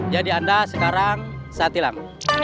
jadi anda sekarang saat hilang